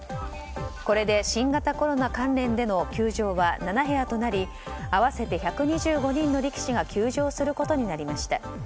これで新型コロナ関連での休場は７部屋となり合わせて１２５人の力士が休場することになりました。